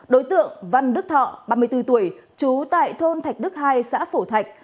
đối tượng văn đức thọ ba mươi bốn tuổi trú tại thôn thạch đức hai xã phổ thạch